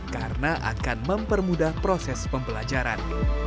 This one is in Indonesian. karena akan mempermudah proses pembelajaran